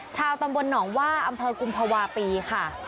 ชาวตำบลหนองว่าอำเภอกุมภาวะปีค่ะ